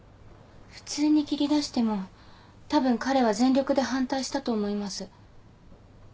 普通に切り出してもたぶん彼は全力で反対したと思います。